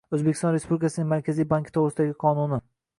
O’zbekiston Respublikasining Markaziy bank to’g’risidagi qonuni